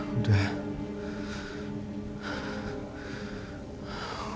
aku sudah berusaha untuk mengambil alih